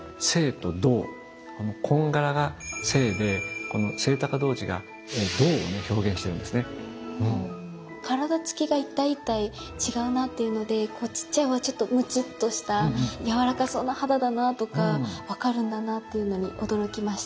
矜羯羅が「静」で制童子が「動」を表現してるんです体つきが一体一体違うなっていうのでちっちゃい方はちょっとむちっとした柔らかそうな肌だなとか分かるんだなというのに驚きました。